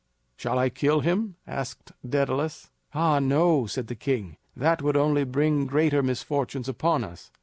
"Shall I kill him?" asked Daedalus. "Ah, no!" said the king. "That would only bring greater misfortunes upon us."